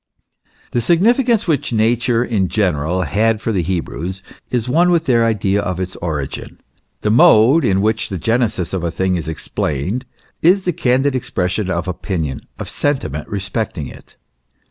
The significance which nature in general had for the Hebrews is one with their idea of its origin. The mode in which the genesis of a thing is explained is the candid expression of opinion, of sen timent respecting it.